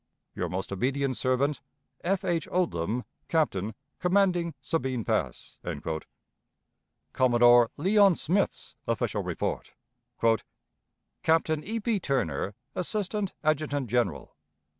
"Your most obedient servant, "F. H. ODLUM, Captain, commanding Sabine Pass." Commodore Leon Smith's Official Report. "Captain E. P. TURNER, _Assistant Adjutant General.